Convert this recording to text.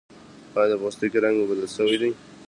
ایا د پوستکي رنګ مو بدل شوی دی؟